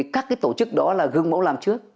các tổ chức đó là gương mẫu làm trước